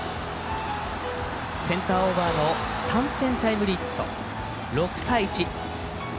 センターオーバーの３点タイムリーヒット６対１。